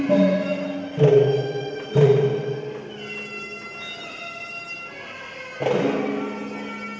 สวัสดีครับทุกคน